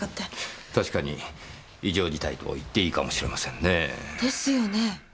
確かに異常事態といっていいかもしれませんねぇ。ですよね。